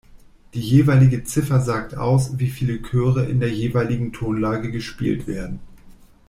Die jeweilige Ziffer sagt aus, wie viele Chöre in der jeweiligen Tonlage gespielt werden.